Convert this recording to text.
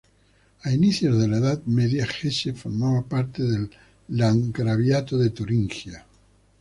A inicios de la Edad Media, Hesse formaba parte del Landgraviato de Turingia.